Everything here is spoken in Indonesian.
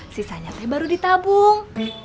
sisanya teh baru ditabung